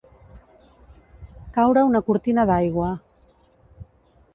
Caure una cortina d'aigua.